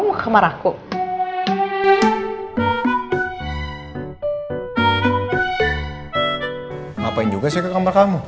kamu kemarah kok ngapain juga sih ke kamar kamu